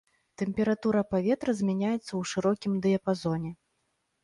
Тэмпература паветра змяняецца ў шырокім дыяпазоне.